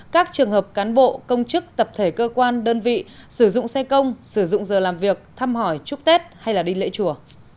các trường hợp cán bộ công chức tập thể cơ quan đơn vị sử dụng xe công sử dụng giờ làm việc thăm hỏi chúc tết hay đi lễ chùa